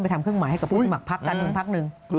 ทำเครื่องหมายให้กับผู้สมัครพักการเมืองพักหนึ่ง